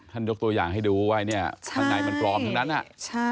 ท่านยกตัวอย่างให้ดูว่าท่านไหนมันกลอมทั้งนั้น